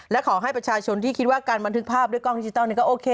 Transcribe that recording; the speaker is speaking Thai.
และขอให้ประชาชนที่คิดว่าการบันทึกภาพด้วยกล้องดิจิทัลก็โอเค